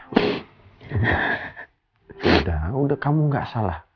udah udah kamu gak salah